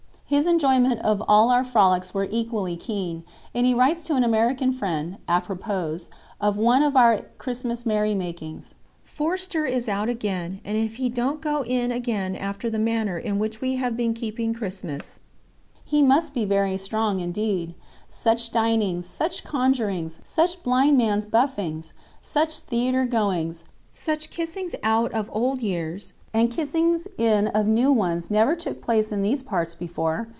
His enjoyment of all our frolics was equally keen, and he writes to an American friend, à propos of one of our Christmas merry makings: "Forster is out again; and if he don't go in again after the manner in which we have been keeping Christmas, he must be very strong indeed. Such dinings, such conjurings, such blindman's buffings, such theatre goings, such kissings out of old years and kissings in of new ones never took place in these parts before.